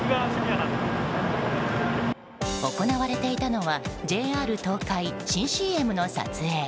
行われていたのは、ＪＲ東海新ＣＭの撮影。